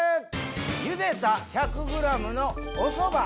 ゆでた１００ｇの「おそば」